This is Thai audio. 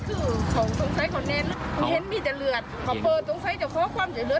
คือของตรงซ้ายเขาเน้นเขาเห็นมีแต่เลือดเขาเปิดตรงซ้ายจะเข้าความเจ๋อเหลือ